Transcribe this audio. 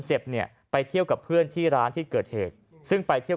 เจ็บเนี่ยไปเที่ยวกับเพื่อนที่ร้านที่เกิดเหตุซึ่งไปเที่ยว